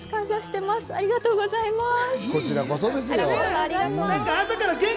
感謝しています、ありがとうございます。